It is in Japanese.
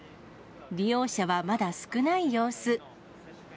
利用者はまだ少ない様子。